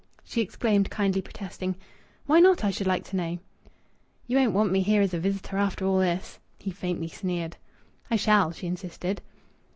She exclaimed, kindly protesting "Why not, I should like to know?" "You won't want me here as a visitor, after all this." He faintly sneered. "I shall," she insisted.